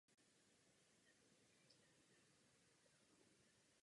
Z kůry se získávají třísloviny.